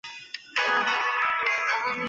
氨基脲药物中呋喃西林的代谢物。